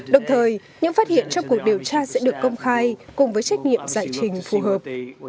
đồng thời những phát hiện trong cuộc điều tra sẽ được công khai cùng với trách nhiệm giải trình phù hợp